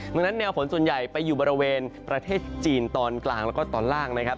ดังนั้นแนวฝนส่วนใหญ่ไปอยู่บริเวณประเทศจีนตอนกลางแล้วก็ตอนล่างนะครับ